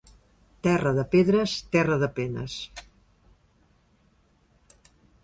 Terra de pedres, terra de penes.